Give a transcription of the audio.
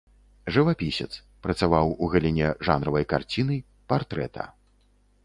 Жывапісец, працаваў у галіне жанравай карціны, партрэта.